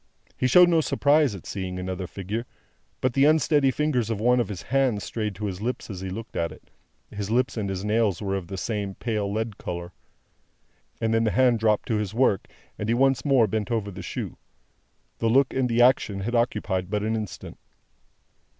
He showed no surprise at seeing another figure, but the unsteady fingers of one of his hands strayed to his lips as he looked at it (his lips and his nails were of the same pale lead colour), and then the hand dropped to his work, and he once more bent over the shoe. The look and the action had occupied but an instant.